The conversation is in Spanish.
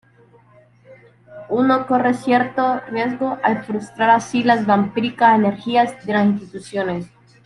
Uno corre cierto riesgo al frustrar así las vampíricas energías de las instituciones.